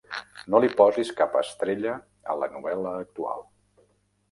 No li posis cap estrella a la novel·la actual